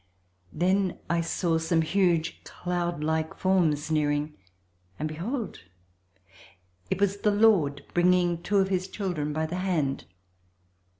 Then I saw some huge, cloud like forms nearing, and behold! it was the Lord bringing two of his children by the hand.